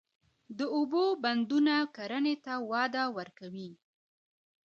د اوبو بندونه کرنې ته وده ورکوي.